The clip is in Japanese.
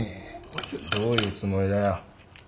どういうつもりだよ。